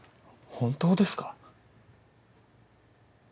本当ですか？